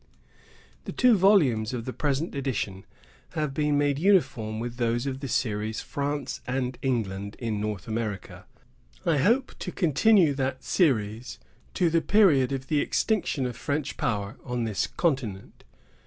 The two volumes of the present edition have been made uniform with those of the series "France and England in North America." I hope to continue that series to the period of the extinction of French power on this continent.